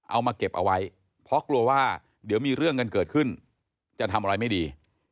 เอามาเก็บเอาไว้เพราะกลัวว่าเดี๋ยวมีเรื่องกันเกิดขึ้นจะทำอะไรไม่ดี